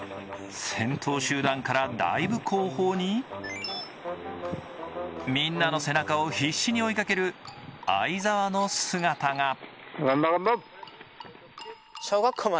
先頭集団からだいぶ後方にみんなの背中を必死に追いかける相澤の姿が。